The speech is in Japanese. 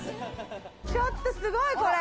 ちょっと、すごいこれ！